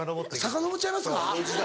さかのぼっちゃいますか。